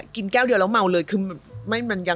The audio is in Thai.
กินแก้วดีแล้วเมาเลย